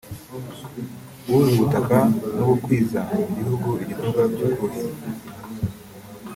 guhuza ubutaka no gukwiza mu gihugu igikorwa cyo kuhira